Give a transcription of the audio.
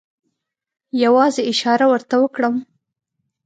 یوازې اشاره ورته وکړم.